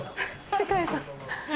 世界さん。